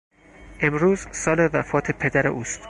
امروز سال وفات پدر اوست.